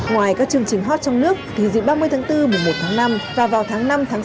ngoài các chương trình hot trong nước thì dịp ba mươi tháng bốn một mươi một tháng năm và vào tháng năm tháng sáu